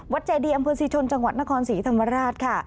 เจดีอำเภอศรีชนจังหวัดนครศรีธรรมราชค่ะ